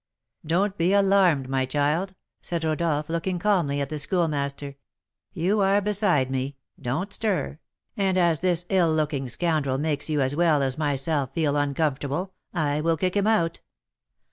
"Don't be alarmed, my child," said Rodolph, looking calmly at the Schoolmaster; "you are beside me, don't stir; and as this ill looking scoundrel makes you as well as myself feel uncomfortable, I will kick him out."